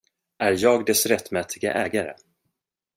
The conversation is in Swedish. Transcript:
Är jag dess rättmätige ägare.